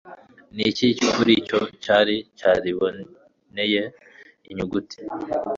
Niki kuri cyo cyari cyariboneye inyuguti